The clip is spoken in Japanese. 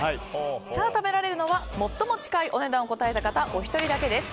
食べられるのは最も近いお値段を答えたお一人だけです。